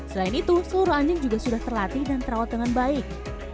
selain itu seluruh anjing juga sudah terlatih dan terawat dengan baik